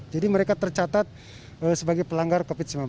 jadi mereka tercatat sebagai pelanggar covid sembilan belas